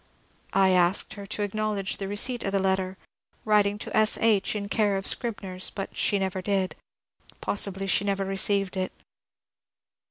I asked her to acknowledge the re ceipt of the letter, writing to S. H., care of Scribners, but she never did. Possibly she never received it.